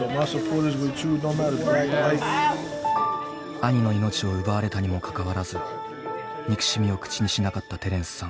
兄の命を奪われたにもかかわらず憎しみを口にしなかったテレンスさん。